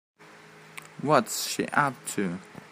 What's she up to?